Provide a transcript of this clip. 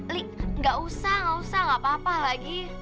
li gak usah gak usah gak apa apa lagi